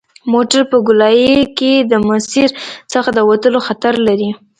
موټر په ګولایي کې د مسیر څخه د وتلو خطر لري